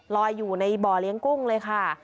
ลอยอยู่ในบ่อเลี้ยงกุ้งเลยค่ะ